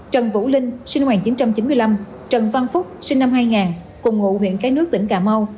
trần vũ linh sinh năm một nghìn chín trăm chín mươi năm trần văn phúc sinh năm hai nghìn cùng ngụ huyện cái nước tỉnh cà mau